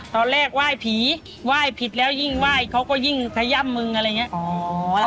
ไหว้ผีไหว้ผิดแล้วยิ่งไหว้เขาก็ยิ่งขย่ำมึงอะไรอย่างนี้